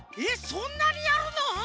そんなにやるの？